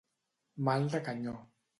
Mal de canyó.